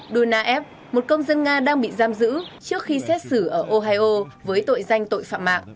donaev một công dân nga đang bị giam giữ trước khi xét xử ở ohio với tội danh tội phạm mạng